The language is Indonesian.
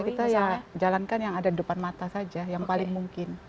kita jalankan yang ada di depan mata saja yang paling mungkin